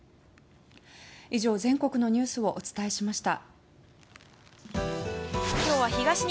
以上、全国のニュースをお伝えしました。